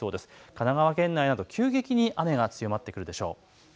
神奈川県内など急激に雨が強まってくるでしょう。